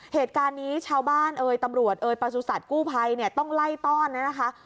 เหตุการณ์นี้ชาวบ้านตำรวจประสุนสัตว์กู้ภัยต้องไล่ต้อนนะนะคะ